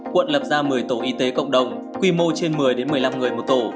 quận lập ra một mươi tổ y tế cộng đồng quy mô trên một mươi một mươi năm người một tổ